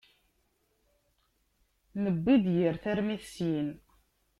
Newwi-d yir tarmit syin.